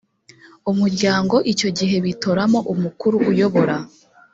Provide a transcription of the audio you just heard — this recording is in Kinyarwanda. umuryango icyo gihe bitoramo umukuru uyobora